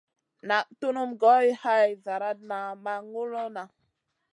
Naʼ tunum goy hay zlaratna ma ŋulona.